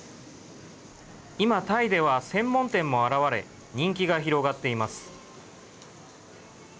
今、タイでは専門店も現れ人気が広がっています。